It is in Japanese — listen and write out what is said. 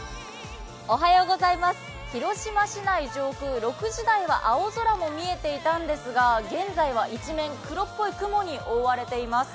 広島市内上空、６時台は青空も見えていたんですが、現在は一面黒っぽい雲に覆われています。